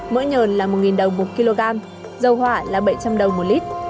mỡ nhờn là một đồng một kg dầu hỏa là bảy trăm linh đồng một lít